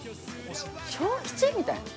小吉？みたいな。